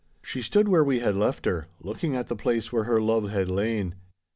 She stood where we had left her, looking at the place where her love had lain.